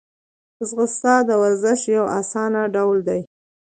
ځغاسته د ورزش یو آسانه ډول دی